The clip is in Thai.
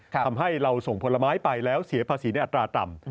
ทำให้เราส่งผลไม้ไปแล้วเสียภาษีในอัตราต่ำ